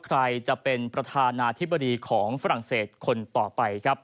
ใครจะเป็นประธานาธิบดีของฝรั่งเศสคนต่อไปครับ